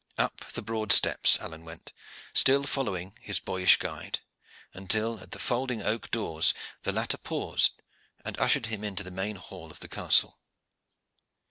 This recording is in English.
Up the broad steps Alleyne went, still following his boyish guide, until at the folding oak doors the latter paused, and ushered him into the main hall of the castle.